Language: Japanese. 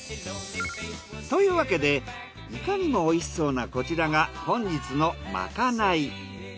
というわけでいかにもおいしそうなこちらが本日のまかない。